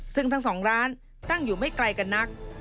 ซึ่งทั้งสองร้านตั้งอยู่ไม่ไกลกันนัก